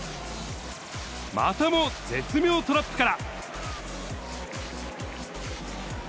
またも絶妙トラップから。